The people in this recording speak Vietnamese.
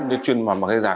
để chuyên bằng giả